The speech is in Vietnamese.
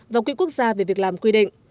và quỹ quốc gia về việc làm quy định